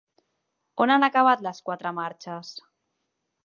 On han acabat les quatre marxes?